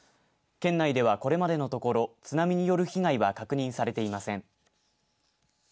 県内では、これまでのところ津波による被害は確認されていません。